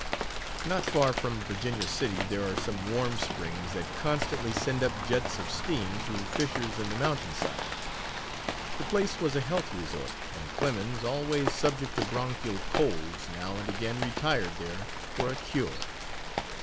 Not far from Virginia City there are some warm springs that constantly send up jets of steam through fissures in the mountainside. The place was a health resort, and Clemens, always subject to bronchial colds, now and again retired there for a cure.